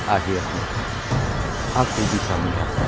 akhirnya aku bisa mengatakan